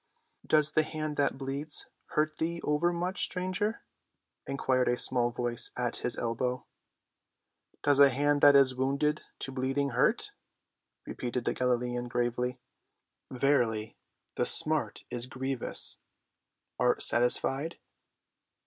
"Does the hand that bleeds hurt thee over much, stranger?" inquired a small voice at his elbow. "Does a hand that is wounded to bleeding hurt?" repeated the Galilean gravely. "Verily, the smart is grievous; art satisfied?"